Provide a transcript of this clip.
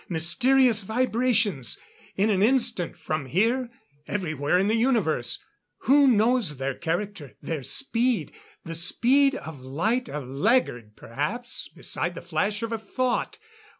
Mysterious vibrations! In an instant, from here everywhere in the universe. Who knows their character? Their speed? The speed of light a laggard perhaps beside the flash of a thought!